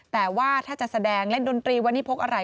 แต่ว่าถ้าจะแสดงเล่นดนตรีวันนี้พกอะไร